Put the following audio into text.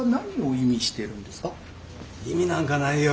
意味なんかないよ。